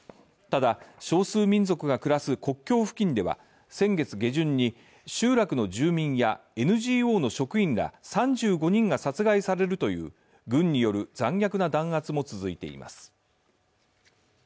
ただ、少数民族が暮らす国境付近では先月下旬に集落の住民やＮＧＯの職員ら３５人が殺害されるという軍による残虐な弾圧も続いています。